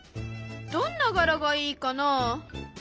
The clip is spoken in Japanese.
どんな柄がいいかな？